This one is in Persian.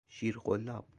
شیر قلاب